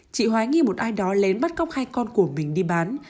chị hóa nghi một ai đó lén bắt cóc hai con của mình đi bán